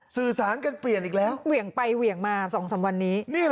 สื่อสารกันเปลี่ยนอีกแล้วเหวี่ยงไปเหวี่ยงมา๒๓วันนี้